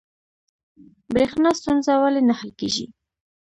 بریښنا ستونزه ولې نه حل کیږي؟